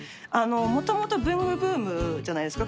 もともと文具ブームじゃないですか